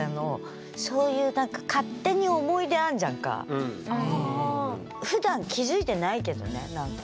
そういう何かふだん気付いてないけどね何か。